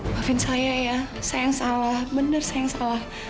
maafin saya ya saya yang salah benar saya yang salah